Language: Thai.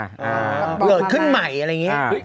เกิดขึ้นใหม่อะไรอย่างนี้